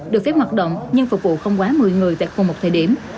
được phép hoạt động nhưng phục vụ không quá một mươi người tại khu một thời điểm